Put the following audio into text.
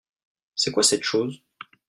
C'est quoi cette chose ?